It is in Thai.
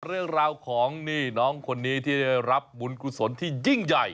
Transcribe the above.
เรื่องราวของนี่น้องคนนี้ที่ได้รับบุญกุศลที่ยิ่งใหญ่